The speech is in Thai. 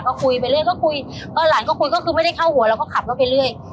ก็คุยไปเรื่อยก็คุยเออหลานก็คุยก็คือไม่ได้เข้าหัวเราก็ขับรถไปเรื่อย